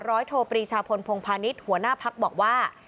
ร้อยโทปรีชาพลพงภานิษฐ์หัวหน้าภักดิ์บอกว่า